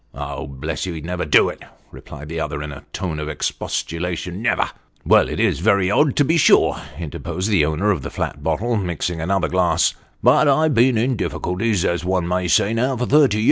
" Oh ! bless you, he'd never do it," replied the other, in a tone of expostulation " Never !"" Well, it is very odd to be sure," interposed the owner of the flat bottle, mixing another glass, " but I've been in difficulties, as one may say, now for thirty year.